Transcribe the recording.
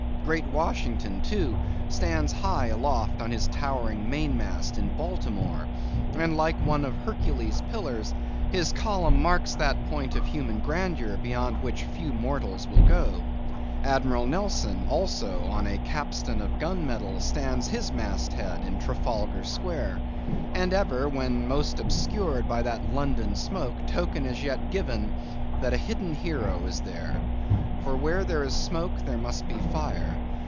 Great Washington, too, stands high aloft on his towering main mast in Baltimore, and like one of Hercules' pillars, his column marks that point of human grandeur beyond which few mortals will go. Admiral Nelson, also, on a capstan of gun metal, stands his mast head in Trafalgar Square; and ever when most obscured by that London smoke, token is yet given that a hidden hero is there; for where there is smoke, must be fire.